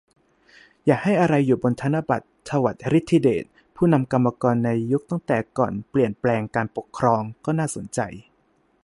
อยากให้อะไรอยู่บนธนบัตร - ถวัติ ฤทธิเดช ผู้นำกรรมกรในยุคตั้งแต่ก่อนเปลี่ยนแปลงการปกครอง ก็น่าสนใจ